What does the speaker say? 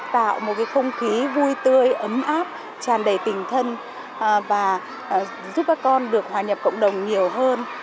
tạo một cái không khí vui tươi ấm áp tràn đầy tình thân và giúp các con được hòa nhập cộng đồng nhiều hơn